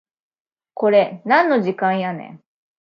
これなんの時間やねん